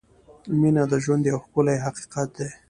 • مینه د ژوند یو ښکلی حقیقت دی.